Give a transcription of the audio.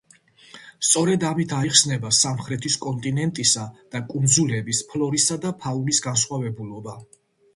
სწორედ ამით აიხსნება სამხრეთის კონტინენტისა და კუნძულების ფლორისა და ფაუნის განსხვავებულობა.